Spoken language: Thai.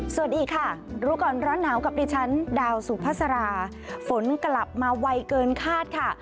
สวัสดีค่ะรู้ก่อนร้อนหนาวกับดิฉันดาวสุภาษาราฝนกลับมาไวเกินคาดค่ะ